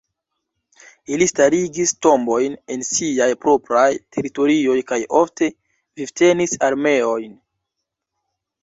Ili starigis tombojn en siaj propraj teritorioj kaj ofte vivtenis armeojn.